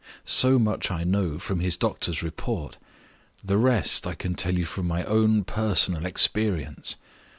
So much I know from his doctor's report; the rest I can tell you from my own personal experience.